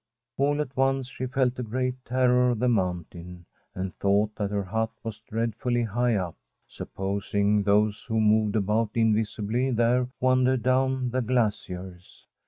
All at once she felt a great terror of the From a SWEDISH HOMESTEAD mountain, and thought that her hut was dread fully high up. Supposing those who moved about invisibly there wandered down the glac iers!